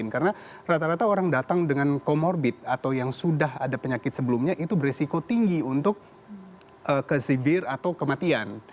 karena rata rata orang datang dengan comorbid atau yang sudah ada penyakit sebelumnya itu beresiko tinggi untuk kesivir atau kematian